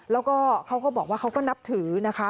แล้วก็เขาก็บอกว่าเขาก็นับถือนะคะ